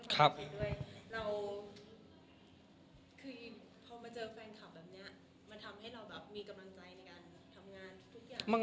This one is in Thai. ครับ